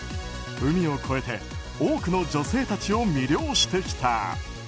海を越えて多くの女性たちを魅了してきた。